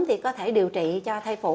thì có thể điều trị cho thai phụ